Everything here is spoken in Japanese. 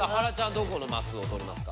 どこのマスを取りますか？